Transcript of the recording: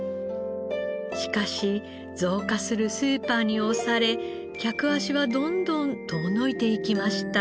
しかし増加するスーパーに押され客足はどんどん遠のいていきました。